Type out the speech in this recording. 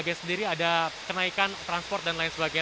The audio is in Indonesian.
pihak agen sendiri ada kenaikan transport dan lain sebagainya